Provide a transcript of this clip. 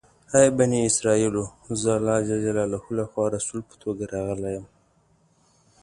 ای بني اسرایلو! زه الله جل جلاله لخوا رسول په توګه راغلی یم.